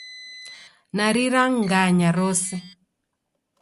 Nariranganya rose.